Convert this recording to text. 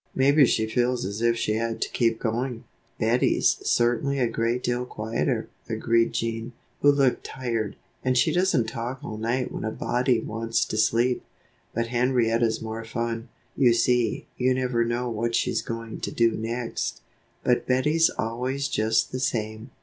Maybe she feels as if she had to keep going." "Bettie's certainly a great deal quieter," agreed Jean, who looked tired, "and she doesn't talk all night when a body wants to sleep; but Henrietta's more fun. You see, you never know what she's going to do next, but Bettie's always just the same."